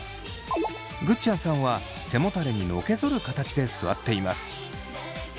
ぐっちゃんさんは背もたれにのけぞる形で座っています。